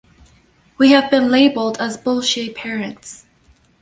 We have been labelled as bolshie parents.